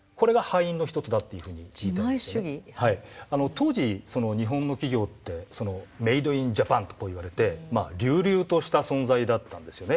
当時日本の企業ってメードインジャパンとこう言われて隆々とした存在だったんですよね。